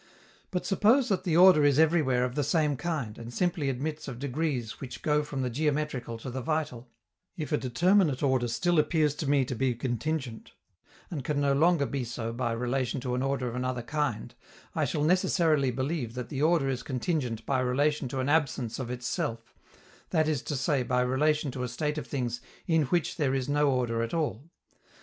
But suppose that the order is everywhere of the same kind, and simply admits of degrees which go from the geometrical to the vital: if a determinate order still appears to me to be contingent, and can no longer be so by relation to an order of another kind, I shall necessarily believe that the order is contingent by relation to an absence of itself, that is to say by relation to a state of things "in which there is no order at all."